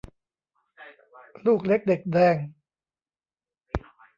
ลูกเล็กเด็กแดง